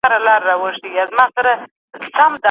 ته به د خپلو تېروتنو څخه عبرت واخلې.